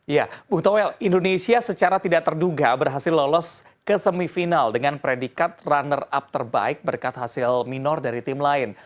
ya bu towel indonesia secara tidak terduga berhasil lolos ke semifinal dengan predikat runner up terbaik berkat hasil minor dari tim lain